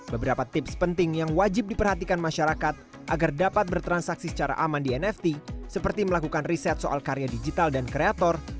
beberapa tips penting yang wajib diperhatikan masyarakat agar dapat bertransaksi secara aman di nft seperti melakukan riset soal karya digital dan kreator